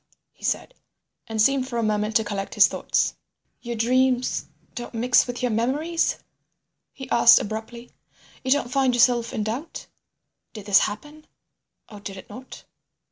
he said, and seemed for a moment to collect his thoughts. "Your dreams don't mix with your memories?" he asked abruptly. "You don't find yourself in doubt; did this happen or did it not?"